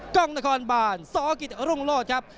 กล้องนครบานสกิจรุ่งโลศครับ